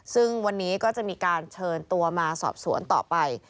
ซึ่งวันนี้ก็จะมีการเชิญตัวมาสอบสวนต่อไป